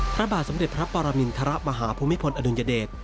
พระบาทสมเด็จพระปรมินทรมาฮภูมิพลอดุลยเดช